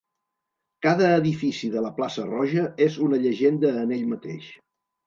Cada edifici de la plaça Roja és una llegenda en ell mateix.